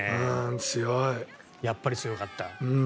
やっぱり強かった。